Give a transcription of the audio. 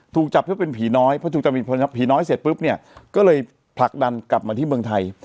ถูกจับเพื่อเป็นผีน้อยเพราะถูกจับผีน้อยเสร็จปุ๊บเนี่ยก็เลยผลักดันกลับมาที่เมืองไทย